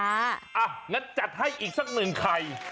อย่างนั้นจัดให้อีกสักหนึ่งไข่